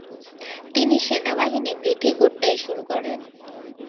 তিনি সেনাবাহিনী বৃদ্ধি করতে শুরু করেন।